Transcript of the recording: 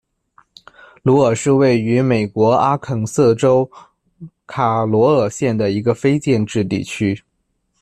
鲁尔是位于美国阿肯色州卡罗尔县的一个非建制地区。